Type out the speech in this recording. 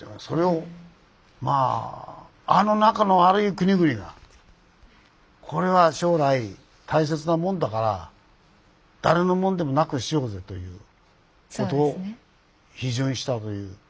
それをまああの仲の悪い国々がこれは将来大切なもんだから誰のもんでもなくしようぜということを批准したという。